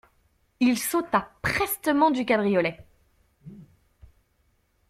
Il sauta prestement du cabriolet.